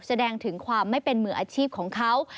แสดงถึงความไม่เป็นมืออาชีพของเขา